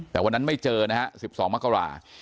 แต่วันนั้นไม่เจอนะฮะ๑๒มกรา